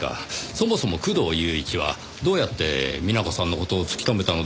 そもそも工藤勇一はどうやって美奈子さんの事を突き止めたのでしょうねぇ？